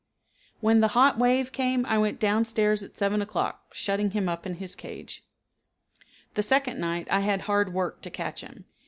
When the hot wave came I went down stairs at 7 o'clock, shutting him up in his cage. The second night I had hard work to catch him.